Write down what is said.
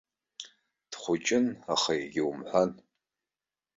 Дхәыҷын, аха егьаумҳәан.